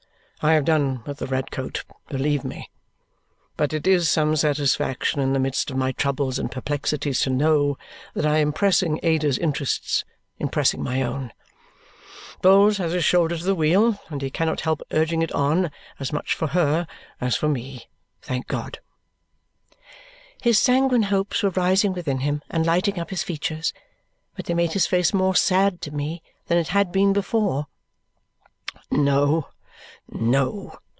I have done with the red coat, believe me. But it is some satisfaction, in the midst of my troubles and perplexities, to know that I am pressing Ada's interests in pressing my own. Vholes has his shoulder to the wheel, and he cannot help urging it on as much for her as for me, thank God!" His sanguine hopes were rising within him and lighting up his features, but they made his face more sad to me than it had been before. "No, no!"